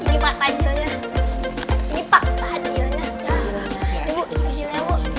ini pak takjilnya